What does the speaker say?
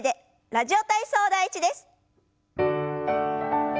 「ラジオ体操第１」です。